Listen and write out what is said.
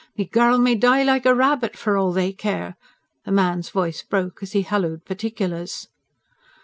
Me girl may die like a rabbit for all they care." The man's voice broke, as he halloed particulars.